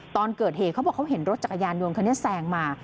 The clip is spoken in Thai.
ตอนเกิดเหตุเขาบอกเขาเห็นรถจักรยานยนต์คันนี้แซงมา